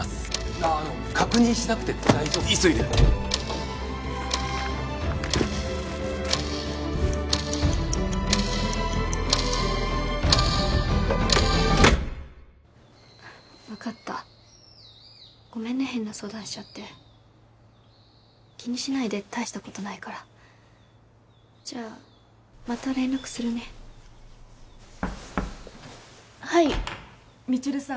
あの確認しなくて大丈夫急いでるんで分かったごめんね変な相談しちゃって気にしないで大したことないからじゃあまた連絡するねはい未知留さん